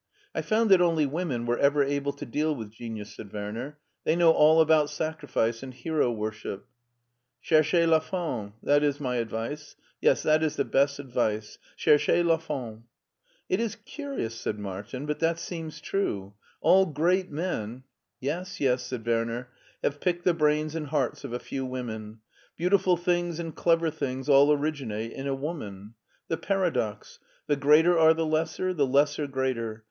I found that only women were ever able to deal with genius," said Werner; "they know all about sacrifice and hero worship. Cherchez la femme, that is my advice. Yes, that is the best zdmzt—^herches la femme'* " It is curious," said Martin, " but that seems true. All great men "" Yes, yes," said Werner, " have picked the brains and hearts of a few women. Beautiful things and clever things all originate in a woman. The paradox : the greater are the lesser ; the lesser, greater.